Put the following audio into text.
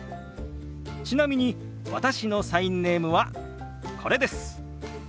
ちなみに私のサインネームはこれです。